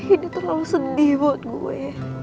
ini terlalu sedih buat gue